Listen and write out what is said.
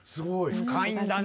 深いんだね。